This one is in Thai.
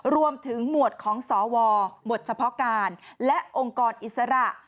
หมวดของสวหมวดเฉพาะการและองค์กรอิสระ